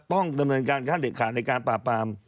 ต้องดำเนินการขั้นเด็ดขาดในการปราบปราม